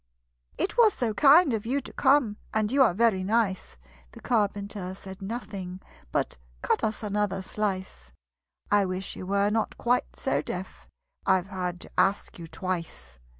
"It was so kind of you to come, And you are very nice!" The Carpenter said nothing but "Cut us another slice: I wish you were not quite so deaf I've had to ask you twice!"